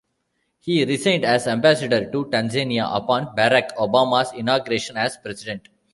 He resigned as ambassador to Tanzania upon Barack Obama's inauguration as president.